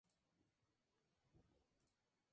Eso ocurrió durante un breve tiempo.